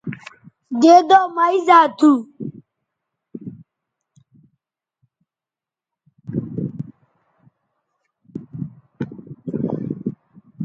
دیدو مہ اِیزا تھو